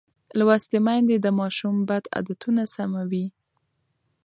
لوستې میندې د ماشوم بد عادتونه سموي.